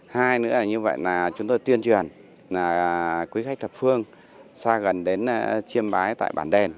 hai nữa là như vậy là chúng tôi tuyên truyền quý khách thập phương xa gần đến chiêm bái tại bản đền